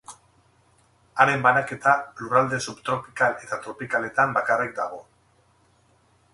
Haren banaketa lurralde subtropikal eta tropikaletan bakarrik dago.